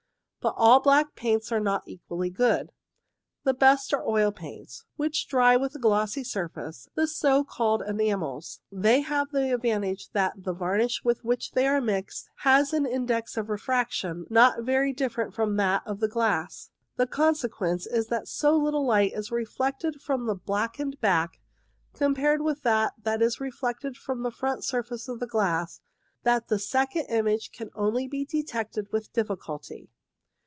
But all black paints are not equally good. The best are oil paints which dry with a glossy surface, the so called enamels. They have the advantage that the varnish with which they are mixed has an index of refraction not very different from that of the glass. The conse quence is that so little light is reflected from the blackened back, compared with that which is reflected from the front surface of the glass, that the second image can only be detected with difficulty.